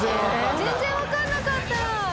全然わからなかった！